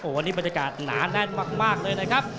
วันนี้บรรยากาศหนาแน่นมากเลยนะครับ